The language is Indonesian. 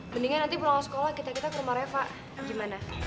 mendingan nanti pulang sekolah kita kita ke rumah refa gimana